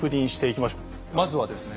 まずはですね